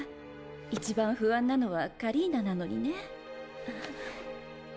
一番不安なのはカリーナなのにね。